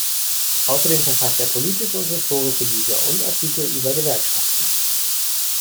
Außerdem verfasst er politische und historische Bücher und Artikel über Gewerkschaften.